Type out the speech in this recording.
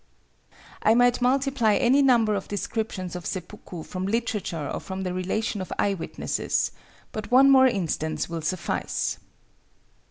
I might multiply any number of descriptions of seppuku from literature or from the relation of eye witnesses; but one more instance will suffice.